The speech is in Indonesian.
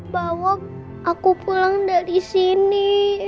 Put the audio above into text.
bawa aku pulang dari sini